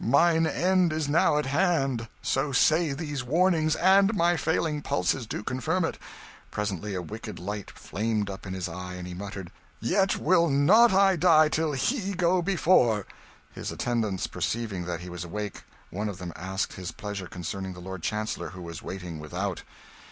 Mine end is now at hand: so say these warnings, and my failing pulses do confirm it." Presently a wicked light flamed up in his eye, and he muttered, "Yet will not I die till He go before." His attendants perceiving that he was awake, one of them asked his pleasure concerning the Lord Chancellor, who was waiting without.